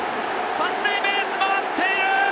３塁ベース、回っている！